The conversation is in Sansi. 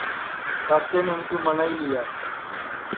کاکین اُن کُو منائی لی